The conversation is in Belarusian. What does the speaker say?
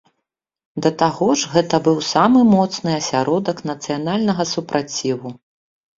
Да таго ж гэта быў самы моцны асяродак нацыянальнага супраціву.